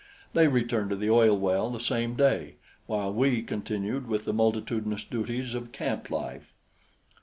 They returned to the oil well the same day, while we continued with the multitudinous duties of camp life.